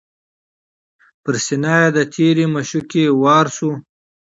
پر سینه یې د تیرې مشوکي وار سو